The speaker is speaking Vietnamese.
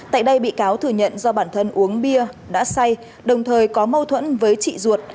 tại đây bị cáo thừa nhận do bản thân uống bia đã say đồng thời có mâu thuẫn với chị ruột